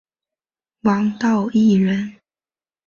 王道义人。